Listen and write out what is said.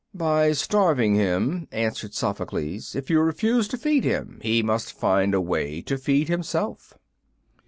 "By starving him," answered Sophocles; "if you refuse to feed him he must find a way to feed himself."